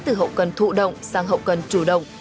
từ hậu cần thụ động sang hậu cần chủ động